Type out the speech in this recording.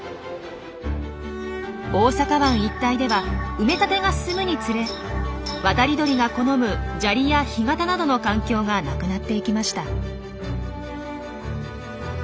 大阪湾一帯では埋め立てが進むにつれ渡り鳥が好む砂利や干潟などの環境がなくなっていきました。